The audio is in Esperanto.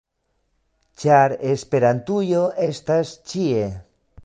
- ĉar Esperantujo estas ĉie!